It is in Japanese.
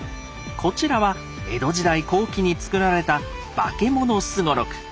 こちらは江戸時代後期に作られた「妖物双六」。